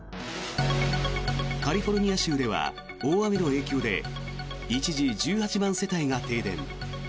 カリフォルニア州では大雨の影響で一時１８万世帯が停電。